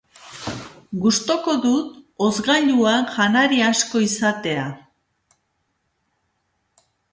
Gustuko dut hozkailuan janari asko izatea.